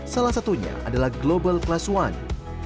salah satunya adalah global class one